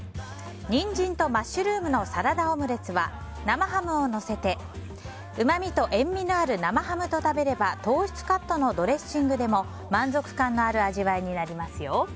ニンジンとマッシュルームのサラダオムレツは生ハムをのせて、うまみと塩みのある生ハムと食べれば糖質カットのドレッシングでも満足感のある味わいになりますよ。